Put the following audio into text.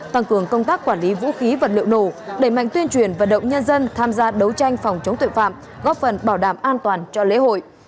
tăng cường công tác quản lý vũ khí vật liệu nổ đẩy mạnh tuyên truyền vận động nhân dân tham gia đấu tranh phòng chống tội phạm góp phần bảo đảm an toàn cho lễ hội